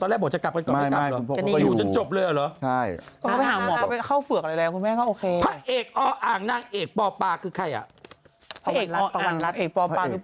ตอนแรกบอกจะกลับกันก่อนว่าตอนแรกมันกลับกันก็กลับ